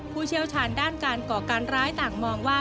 ผู้เชี่ยวชาญด้านการก่อการร้ายต่างมองว่า